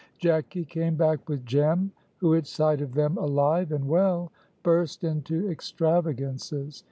Jacky came back with Jem, who, at sight of them alive and well, burst into extravagances.